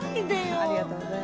ありがとうございます。